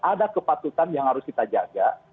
ada kepatutan yang harus kita jaga